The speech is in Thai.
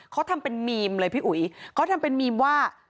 เขาทำเป็นมีมเลยพี่อุ๋ยเขาทำเป็นมีมว่า